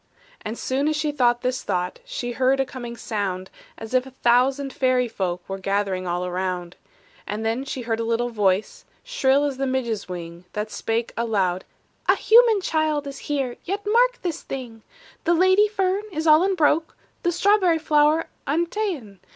And soon as she thought this thought, She heard a coming sound, As if a thousand fairy folk Were gathering all around. And then she heard a little voice, Shrill as the midge's wing, That spake aloud, "A human child Is here; yet mark this thing, "The lady fern is all unbroke, The strawberry flower unta'en!